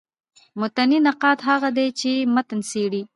متني نقاد هغه دﺉ، چي متن څېړي.